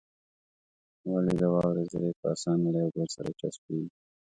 ولې د واورې ذرې په اسانه له يو بل سره چسپېږي؟